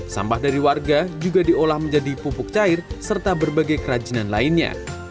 sampah dari warga juga diolah menjadi pupuk cair serta berbagai kerajinan lainnya